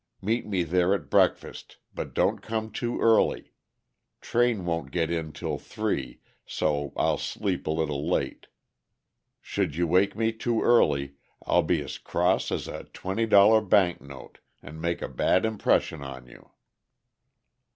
Meet me there at breakfast, but don't come too early. Train won't get in till three, so I'll sleep a little late. Sh'd you wake me too early, I'll be as cross as a $20 bank note, and make a bad impression on you."